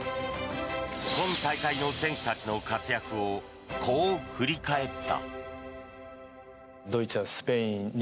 今大会の選手たちの活躍をこう振り返った。